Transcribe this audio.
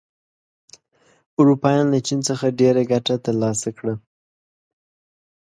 اروپایان له چین څخه ډېره ګټه تر لاسه کړه.